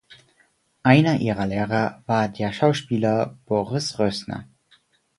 Einer ihrer Lehrer war der Schauspieler Boris Rösner.